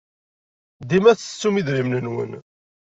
Dima tettettum idrimen-nwen.